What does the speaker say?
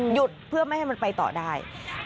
หยุดเพื่อไม่ให้มันไปต่อได้